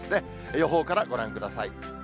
予報からご覧ください。